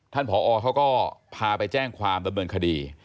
ผอเขาก็พาไปแจ้งความดำเนินคดี